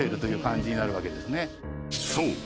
［そう。